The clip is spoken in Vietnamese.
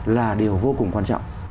là điều vô cùng quan trọng